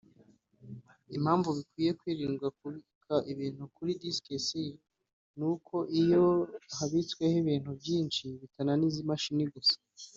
Impamvu bikwiye kwirindwa kubika ibintu byose kuri Disc C ni uko iyo habitsweho ibintu byinshi bitananiza imashini gusa